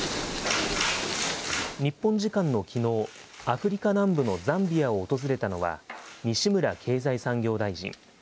日本時間のきのう、アフリカ南部のザンビアを訪れたのは、西村経済産業大臣。